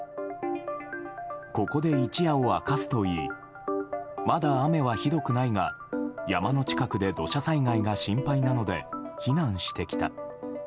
ここで一夜を明かすといいまだ雨はひどくないが山の近くで土砂災害が心配なので避難してきた。